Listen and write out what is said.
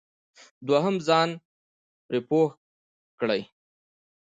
دوهم ځان پرې پوه کړئ.